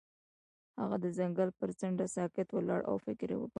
هغه د ځنګل پر څنډه ساکت ولاړ او فکر وکړ.